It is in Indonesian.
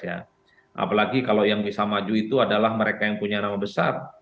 apalagi kalau yang bisa maju itu adalah mereka yang punya nama besar